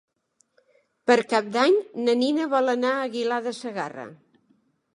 Per Cap d'Any na Nina vol anar a Aguilar de Segarra.